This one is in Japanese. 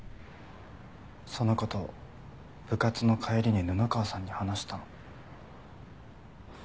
その事を部活の帰りに布川さんに話したの。